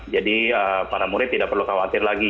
jadi para murid tidak perlu khawatir lagi